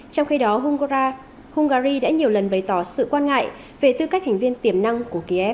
trong khi đó hungary đã nhiều lần bày tỏ sự quan ngại về tư cách thành viên tiềm năng của kiev